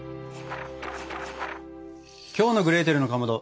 きょうの「グレーテルのかまど」